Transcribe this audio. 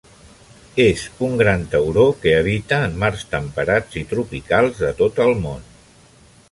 És un gran tauró que habita en mars temperats i tropicals de tot el món.